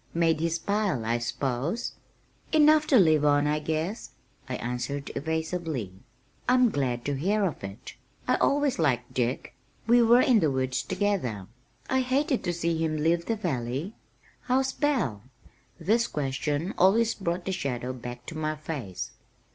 Made his pile, I s'pose?" "Enough to live on, I guess," I answered evasively. "I'm glad to hear of it. I always liked Dick. We were in the woods together. I hated to see him leave the valley. How's Belle?" This question always brought the shadow back to my face.